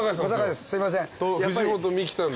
すいません。